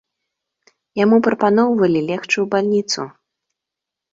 Яму прапаноўвалі легчы ў бальніцу.